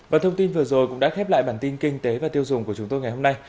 và thông tin vừa rồi cũng đã khép lại bản tin kinh tế và tiêu dùng của chúng tôi ngày hôm nay